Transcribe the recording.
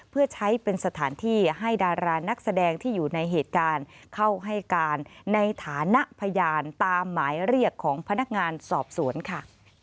เพื่อใช้เป็นสถานที่ให้ดารานักแสดงที่อยู่ในเหตุการณ์เข้าให้การในฐานะพยานตามหมายเรียกของพนักงานสอบสวนค่ะ